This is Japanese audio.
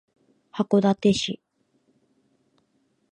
函館市